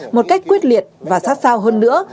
một cách quyết liệt và sát sao hơn nữa